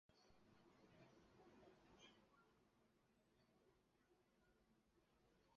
当时在交通枢纽等地还设有京沪地区回籍人员过境转送站等临时机构。